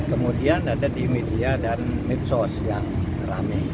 kemudian ada di media dan medsos yang rame